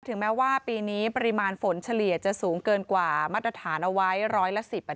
แม้ว่าปีนี้ปริมาณฝนเฉลี่ยจะสูงเกินกว่ามาตรฐานเอาไว้ร้อยละ๑๐